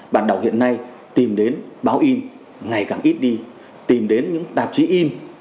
bạn đọc hiện nay tìm đến báo in ngày càng ít đi tìm đến những tạp chí im